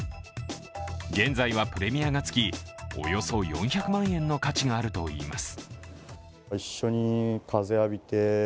現在はプレミアがつき、およそ４００万円の価値があるといいます。